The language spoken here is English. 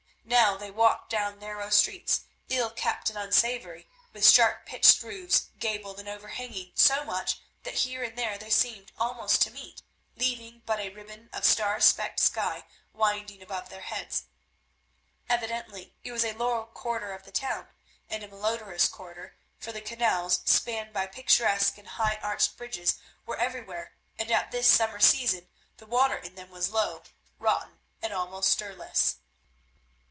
Now they walked down narrow streets, ill kept and unsavoury, with sharp pitched roofs, gabled and overhanging so much that here and there they seemed almost to meet, leaving but a ribbon of star specked sky winding above their heads. Evidently it was a low quarter of the town and a malodourous quarter, for the canals, spanned by picturesque and high arched bridges, were everywhere, and at this summer season the water in them was low, rotten, and almost stirless.